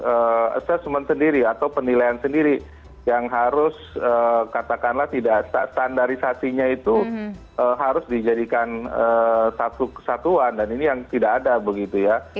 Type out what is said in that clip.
ada assessment sendiri atau penilaian sendiri yang harus katakanlah tidak standarisasinya itu harus dijadikan satu kesatuan dan ini yang tidak ada begitu ya